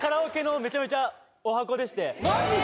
僕マジで？